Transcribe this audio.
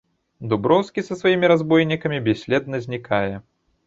Дуброўскі са сваімі разбойнікамі бясследна знікае.